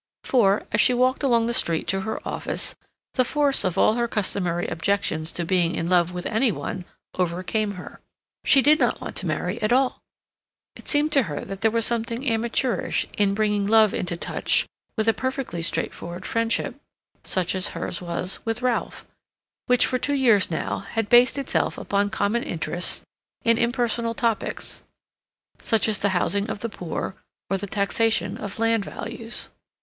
For, as she walked along the street to her office, the force of all her customary objections to being in love with any one overcame her. She did not want to marry at all. It seemed to her that there was something amateurish in bringing love into touch with a perfectly straightforward friendship, such as hers was with Ralph, which, for two years now, had based itself upon common interests in impersonal topics, such as the housing of the poor, or the taxation of land values.